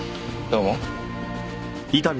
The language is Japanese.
どうも。